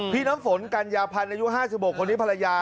พี่น้ำฝนกัญญาพันธ์อายุ๕๖คนนี้ภรรยา